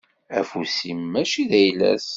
Afus-is mačči d ayla-s.